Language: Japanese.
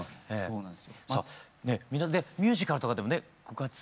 みんなねミュージカルとかでもねご活躍。